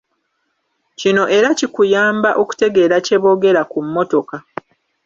Kino era kikuyamba okutegeera kye boogera ku mmotoka.